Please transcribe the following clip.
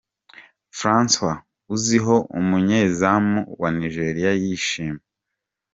Francis Uzoho umunyezamu wa Nigeria yishima .